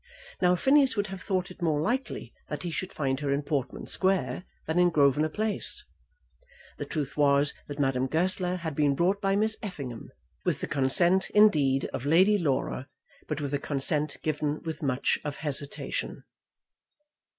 Now Phineas would have thought it more likely that he should find her in Portman Square than in Grosvenor Place. The truth was that Madame Goesler had been brought by Miss Effingham, with the consent, indeed, of Lady Laura, but with a consent given with much of hesitation.